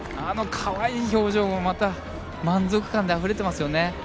あの可愛い表情も、また満足感であふれていますよね。